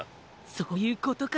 そういうことか。